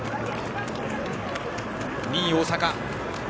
２位、大阪。